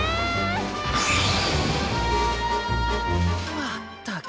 まったく。